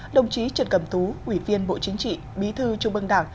đồng chí trần cẩm tú ủy viên bộ chính trị bí thư trung ương đảng